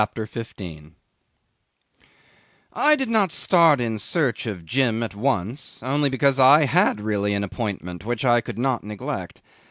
CHAPTER 15 'I did not start in search of Jim at once, only because I had really an appointment which I could not neglect.